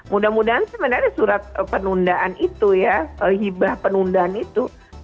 mudah mudahan sebenarnya surat penundaan itu ya hibah penundaan itu